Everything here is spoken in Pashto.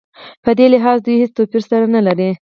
په دې لحاظ دوی هېڅ توپیر سره نه لري.